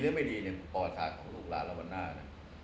เรื่องไม่ดีเนี่ยปวชชาติของลูกหลากเราวันหน้าเนี่ย